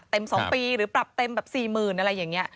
เต็ม๒ปีหรือแบบเต็ม๔๐๐๐๐อะไรอย่างนี้